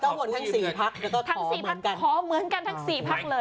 ก็หมดทั้งสี่พักแล้วก็ขอเหมือนกันขอเหมือนกันทั้งสี่พักเลย